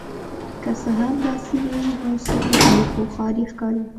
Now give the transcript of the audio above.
که څه هم دا سیمې موسمي دي خو ښاري ښکاري